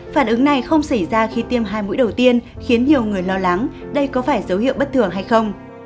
phản ứng này không xảy ra khi tiêm hai mũi đầu tiên khiến nhiều người lo lắng đây có phải dấu hiệu bất thường hay không